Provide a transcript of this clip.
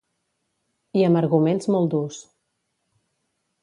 I amb arguments molt durs.